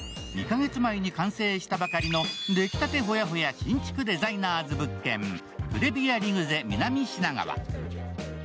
２カ月前に完成したばかりの出来たてほやほや、新築デザイナーズ物件、クレヴィアリグゼ南品川。